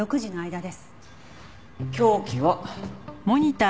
凶器は。